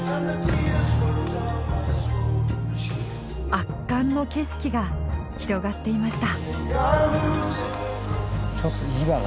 圧巻の景色が広がっていました